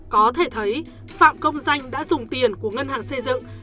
có thể thấy phạm công danh đã dùng tiền của ngân hàng xây dựng